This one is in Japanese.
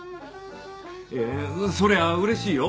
いやそりゃ嬉しいよ。